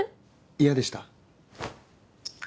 嫌でした？